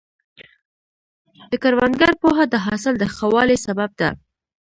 د کروندګر پوهه د حاصل د ښه والي سبب ده.